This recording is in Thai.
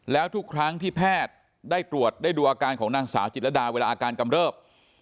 แล้วทุกครั้งที่แพทย์ได้ตรวจได้ดูอาการของนางสาวจิตรดาเวลาอาการกำเริบ